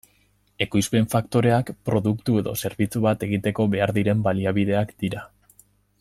Ekoizpen-faktoreak produktu edo zerbitzu bat egiteko behar diren baliabideak dira.